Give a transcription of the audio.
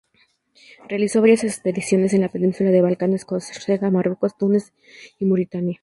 Realizó varias expediciones a la península de los Balcanes, Córcega, Marruecos, Túnez, Mauritania.